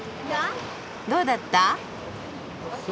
どうだった？